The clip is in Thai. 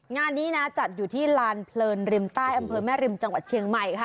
งานนี้นะจัดอยู่ที่ลานเพลินริมใต้อำเภอแม่ริมจังหวัดเชียงใหม่ค่ะ